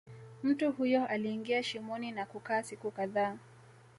Mtu huyo aliingia shimoni na kukaa siku kadhaa